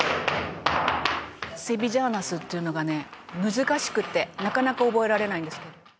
「セビジャーナスっていうのがね難しくてなかなか覚えられないんですけど」